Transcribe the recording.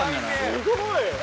すごい。